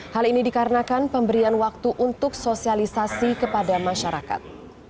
hal ini dikarenakan pemberian waktu untuk sosialisasi kepada masyarakat